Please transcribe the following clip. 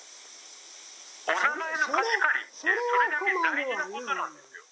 お名前の貸し借りって、それだけ大事なことなんですよ。